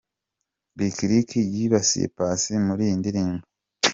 Licklick yibasiye Paccy muri iyi ndirimbo.